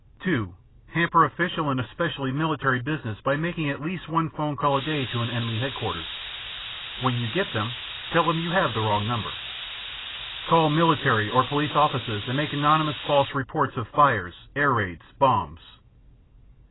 (2) Hamper official and especially military business by making at least one telephone call a day to an enemy headquarters; when you get them, tell them you have the wrong number. Call military or police offices and make anonymous false reports of fires, air raids, bombs.